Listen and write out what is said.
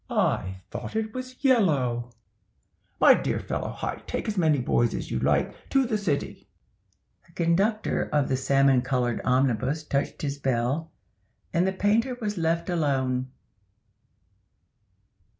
"I thought it was yellow. My dear fellow—Hi!—take as many boys as you like—To the City!" The conductor of the salmon colored omnibus touched his bell, and the painter was left alone.